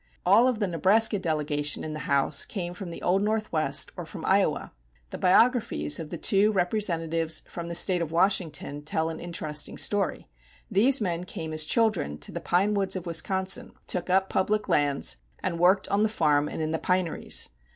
All of the Nebraska delegation in the House came from the Old Northwest or from Iowa. The biographies of the two Representatives from the State of Washington tell an interesting story. These men came as children to the pine woods of Wisconsin, took up public lands, and worked on the farm and in the pineries.